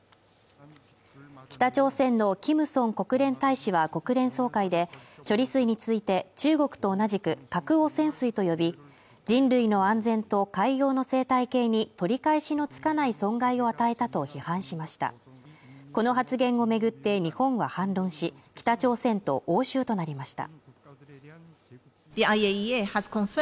北朝鮮のキム・ソン国連大使は国連総会で処理水について中国と同じく核汚染水と呼び人類の安全と海洋の生態系に取り返しのつかない損害を与えたと批判しましたこの発言を巡って日本が反論し北朝鮮と応酬となりました